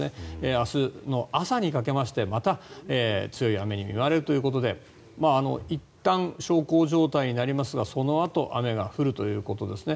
明日の朝にかけて、また強い雨に見舞われるということでいったん小康状態になりますがそのあと雨が降るということですね。